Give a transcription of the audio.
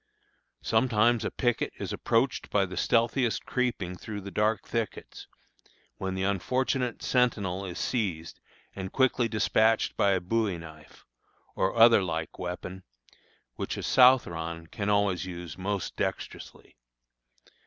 Sometimes a picket is approached by the stealthiest creeping through the dark thickets, when the unfortunate sentinel is seized and quickly despatched by a bowie knife, or other like weapon, which a Southron can always use most dexterously.